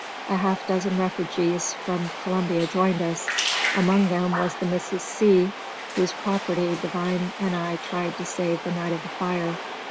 A half dozen refugees from Columbia joined us. Among them was the Mrs. C , whose property Devine and I had tried to save the night of the fire.